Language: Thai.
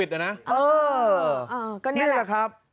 เออนี่แหละครับ